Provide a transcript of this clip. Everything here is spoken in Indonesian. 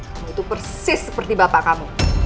kamu itu persis seperti bapak kamu